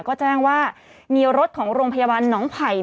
ก็แจ้งว่ามีรถของโรงพยาบาลหนองไผ่